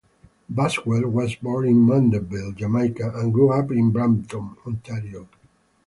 Boswell was born in Mandeville, Jamaica and grew up in Brampton, Ontario.